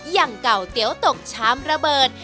อย่างเก่าเตี๋ยวตกชามระเบิด